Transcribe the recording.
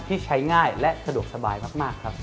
ที่ใช้ง่ายและสะดวกสบายมากครับ